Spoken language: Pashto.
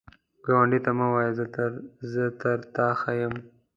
ګاونډي ته مه وایه “زه تر تا ښه یم”